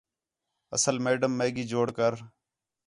اصل میڈم میگی جوڑ کر